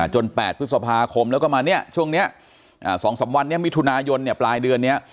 ๘พฤษภาคมแล้วก็มาเนี่ยช่วงนี้๒๓วันนี้มิถุนายนปลายเดือนนี้